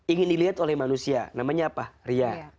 ingin dilihat oleh manusia namanya apa ria